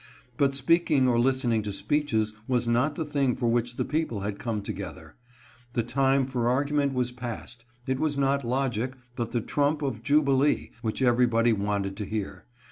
But speaking or listening to speeches was not the thing for which the people had come together. The time for argument was passed. It was not logic, but the trump of jubilee, which everybody wanted to hear.